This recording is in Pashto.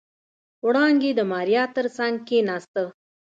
وړانګې د ماريا تر څنګ کېناسته.